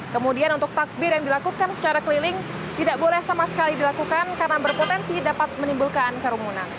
kemudian untuk takbir yang dilakukan secara keliling tidak boleh sama sekali dilakukan karena berpotensi dapat menimbulkan kerumunan